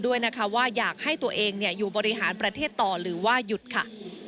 ด้วยนะคะว่าอยากให้ตัวเองอยู่บริหารประเทศต่อหรือว่าหยุดค่ะ